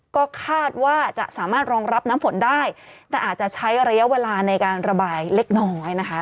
ก็คาดว่าจะสามารถรองรับน้ำฝนได้แต่อาจจะใช้ระยะเวลาในการระบายเล็กน้อยนะคะ